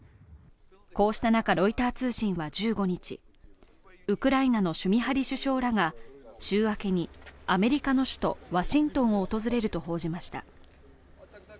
こうした中、ロイター通信は１５日ウクライナのシュミハリ首相らが週明けにアメリカの首都ワシントンを訪れると報じました。